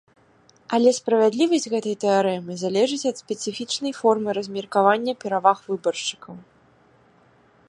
Але справядлівасць гэтай тэарэмы залежыць ад спецыфічнай формы размеркавання пераваг выбаршчыкаў.